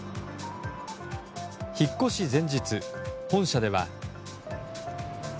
引っ越し前日、本社では。